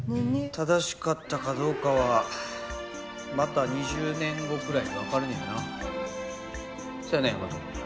正しかったかどうかは、また２０年後くらいに分かるんやな。